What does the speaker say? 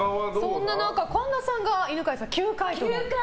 そんな中、神田さんが犬飼さん９回と。